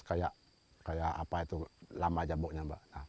kayak apa itu lama jamuknya